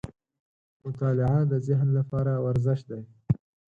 • مطالعه د ذهن لپاره ورزش دی.